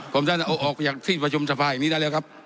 ผมท่านจะเอาออกไปจากที่ประชุมสภายนี้ได้แล้วครับ